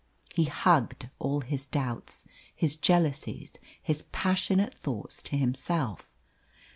He hugged all his doubts, his jealousies, his passionate thoughts to himself.